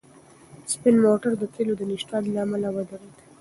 سپین موټر د تېلو د نشتوالي له امله ودرېد.